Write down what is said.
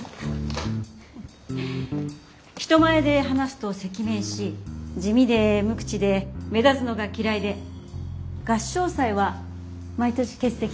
人前で話すと赤面し地味で無口で目立つのが嫌いで合唱祭は毎年欠席。